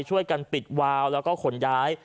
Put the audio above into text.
ช่วยกันปิดวาวแล้วก็ขนย้าย